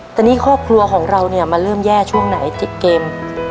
แต่นี่ครอบครัวของเราเนี่ยมันเริ่มแย่ช่วงไหนเกม